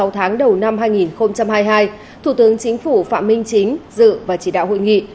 sáu tháng đầu năm hai nghìn hai mươi hai thủ tướng chính phủ phạm minh chính dự và chỉ đạo hội nghị